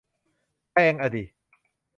แพงอ่ะดิ